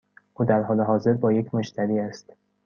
او در حال حاضر با یک مشتری است.